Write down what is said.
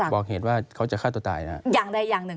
บอกเหตุว่าเขาจะฆ่าตัวตายนะครับ